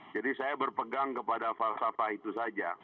jadi saya berpegang kepada falsafah itu saja